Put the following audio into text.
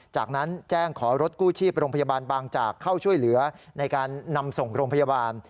จากนั้นแจ้งขอรถกู้ชีพโรงพยาบาลบางจากเข้าช่วยเหลือในการนำส่งโรงพยาบาล